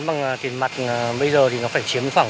bằng tiền mặt bây giờ thì nó phải chiếm khoảng chín mươi